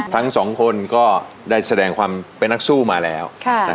ทั้งสองคนก็ได้แสดงความเป็นนักสู้มาแล้ว